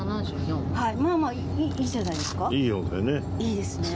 いいですね。